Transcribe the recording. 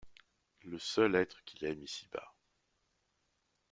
Le seul être qu’il aime ici-bas…